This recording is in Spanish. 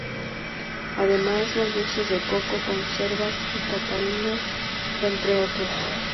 Además los dulces de coco, conservas y catalinas, entre otros.